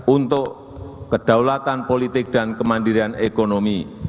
untuk kedaulatan politik dan kemandirian ekonomi